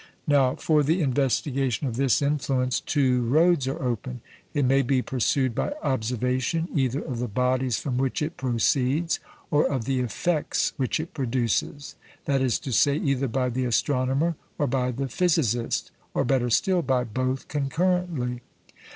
Now for the investigation of this influence two roads are open. It may be pursued by observation either of the bodies from which it proceeds, or of the effects which it produces that is to say, either by the astronomer or by the physicist, or, better still, by both concurrently.